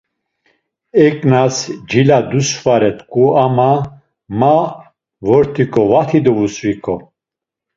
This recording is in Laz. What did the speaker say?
Eǩnas cila dusvare tku ama ma vort̆iǩo vati devusviǩo.